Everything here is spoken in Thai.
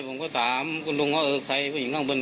ผมก็ถามคุณลุงว่าเออใครผู้หญิงนั่งบน